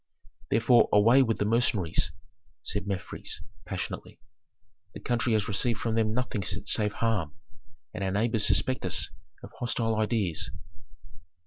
"Therefore away with the mercenaries!" said Mefres, passionately. "The country has received from them nothing save harm, and our neighbors suspect us of hostile ideas."